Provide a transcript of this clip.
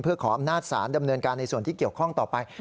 เพื่อขออำนาจศาลดำเนินการในส่วนที่เกี่ยวข้องต่อไป